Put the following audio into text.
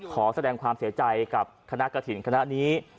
ขอแสดงความเสียใจกับคณะกระถิ่นคณะนี้